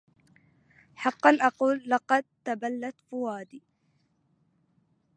حقا أقول لقد تبلت فؤادي